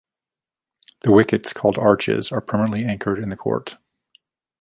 The wickets, called arches, are permanently anchored in the court.